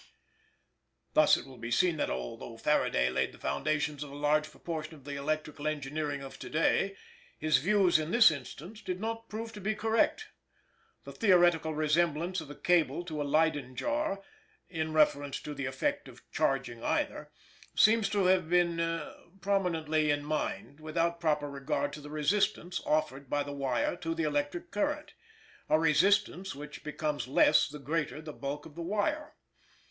" Thus it will be seen that although Faraday laid the foundations of a large proportion of the electrical engineering of to day, his views in this instance did not prove to be correct. The theoretical resemblance of a cable to a Leyden jar in reference to the effect of charging either seems to have been prominently in mind, without proper regard to the resistance offered by the wire to the electric current a resistance which becomes less the greater the bulk of the wire.